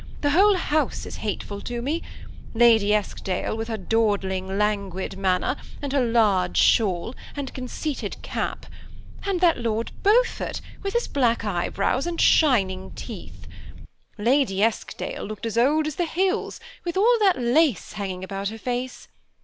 That whole h ouse is hateful to me : Lady Eskdale, with her dawd ling, languid manner, and her large shawl, and conceit ed cap ; and that Lord Beaufort, with his black eye brows and shining teeth. Lady Eskdale looked as old as the hills, with all that lace hanging about her face.